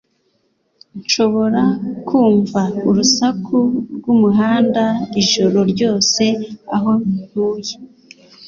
Nshobora kumva urusaku rwumuhanda ijoro ryose aho ntuye